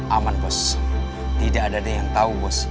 amit k requested seolah olah